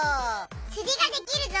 釣りができるぞ！